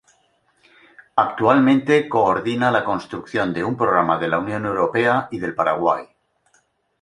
Actualmente coordina la construcción de un programa de la Unión Europea y del Paraguay.